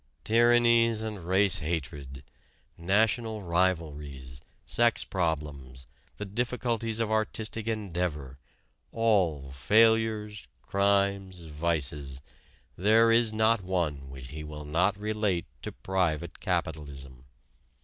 Tyrannies and race hatred, national rivalries, sex problems, the difficulties of artistic endeavor, all failures, crimes, vices there is not one which he will not relate to private capitalism.